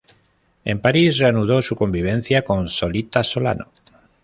En París reanudó su convivencia con Solita Solano.